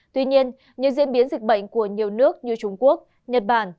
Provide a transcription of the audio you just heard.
tuy nhiên những diễn biến dịch bệnh của nhiều nước như trung quốc nhật bản